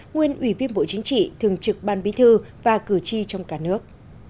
nguyên ủy viên bộ chính trị thường trực ban bí thư và cử tri trong cả nước